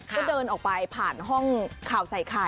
ก็เดินออกไปผ่านห้องข่าวใส่ไข่